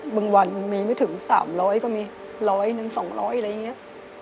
บางวันมีไม่ถึงสามร้อยก็มีร้อยหนึ่งสองร้อยอะไรอย่างเงี้ย